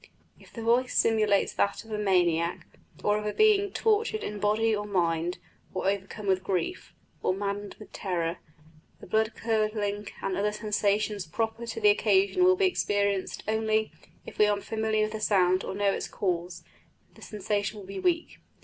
If the voice simulates that of a maniac, or of a being tortured in body or mind, or overcome with grief, or maddened with terror, the blood curdling and other sensations proper to the occasion will be experienced; only, if we are familiar with the sound or know its cause, the sensation will be weak.